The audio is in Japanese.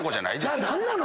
じゃ何なの？